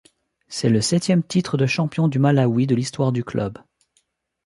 C'est le septième titre de champion du Malawi de l'histoire du club.